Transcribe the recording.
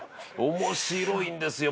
面白いんですよ。